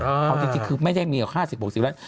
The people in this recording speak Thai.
เอาจริงคือไม่ได้มี๕๐๖๐ล้าน